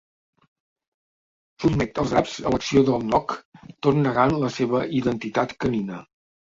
Sotmet els draps a l'acció del noc tot negant la seva identitat canina.